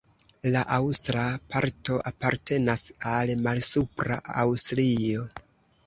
La aŭstra parto apartenas al Malsupra Aŭstrio.